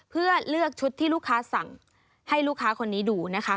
เพื่อเลือกชุดที่ลูกค้าสั่งให้ลูกค้าคนนี้ดูนะคะ